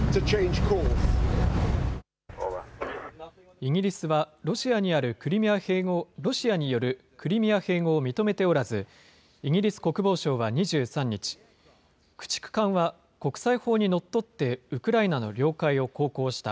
イギリスは、ロシアによるクリミア併合を認めておらず、イギリス国防省は２３日、駆逐艦は国際法にのっとってウクライナの領海を航行した。